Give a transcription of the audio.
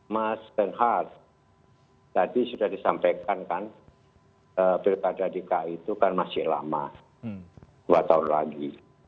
mas renhard tadi sudah disampaikan kan pilkada dki itu kan masih lama dua tahun lagi